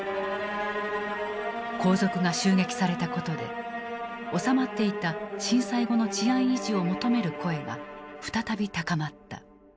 皇族が襲撃されたことで収まっていた震災後の治安維持を求める声が再び高まった。